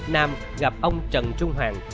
nam gặp ông trần trung hoàng